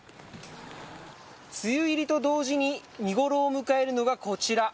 梅雨入りと同時に見頃を迎えるのがこちら。